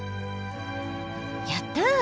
やった！